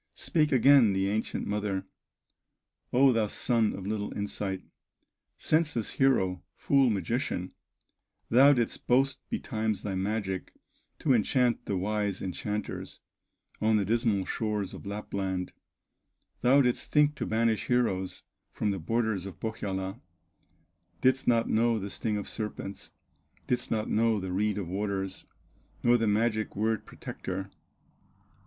Spake again the ancient mother: "O thou son of little insight, Senseless hero, fool magician, Thou didst boast betimes thy magic To enchant the wise enchanters, On the dismal shores of Lapland, Thou didst think to banish heroes, From the borders of Pohyola; Didst not know the sting of serpents, Didst not know the reed of waters, Nor the magic word protector!